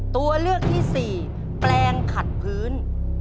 ตัวเลือกที่สี่แปลงขัดพื้น